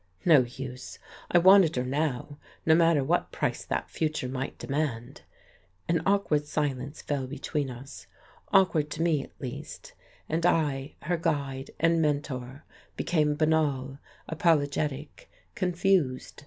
No use! I wanted her now, no matter what price that future might demand. An awkward silence fell between us awkward to me, at least and I, her guide and mentor, became banal, apologetic, confused.